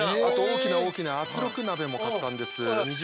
あと大きな大きな圧力鍋も買ったんです。